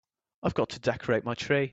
I've got to decorate my tree.